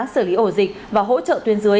sử lý ổ dịch và hỗ trợ tuyên dưới